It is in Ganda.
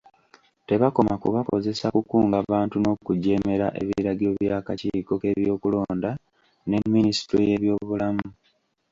Tebakoma kubakozesa kukunga bantu n'okujeemera ebiragiro bya kakiiko k'ebyokulonda ne Minisitule y'ebyobulamu.